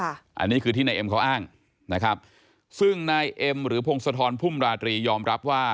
อันนี้คือที่นายเอ็มเขาอ้างนะครับซึ่งนายเอ็มหรือพงศธรพุ่มราตรียอมรับว่า